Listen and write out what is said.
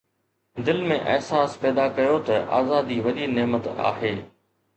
دل ۾ احساس پيدا ڪيو ته آزادي وڏي نعمت آهي